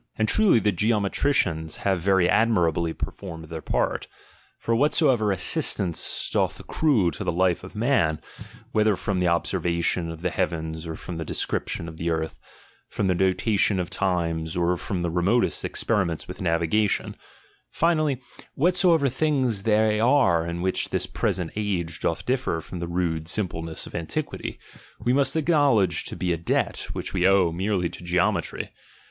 And truly the geometricians have very admirably performed their part. For whatsoever assistance doth accrue to the life of man, whether from the observation of the heavens or from the description of the earth, from the notation of times, or from the remotest experiments of navigation ; finally, whatsoever things they are in which this present age doth differ from the rude simpleuess of anti quity, we must acknowledge to be a debt which we owe merely to geometry.